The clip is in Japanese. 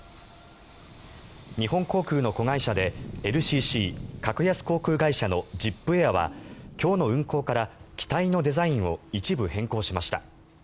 日本航空の子会社でＬＣＣ・格安航空会社のジップエアは今日の運航から機体のデザインを一部変更しました。